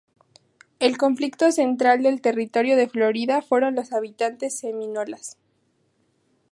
El conflicto central del Territorio de Florida fueron los habitantes seminolas.